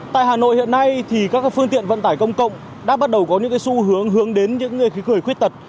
tại hà nội hiện nay thì các phương tiện vận tải công cộng đã bắt đầu có những xu hướng hướng đến những người khí cười khuyết tật